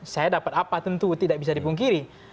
saya dapat apa tentu tidak bisa dipungkiri